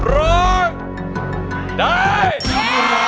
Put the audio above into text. ร้องได้